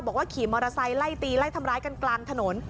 ขี่มอเตอร์ไซค์ไล่ตีไล่ทำร้ายกันกลางถนน